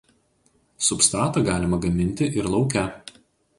Substratą galima gaminti ir lauke.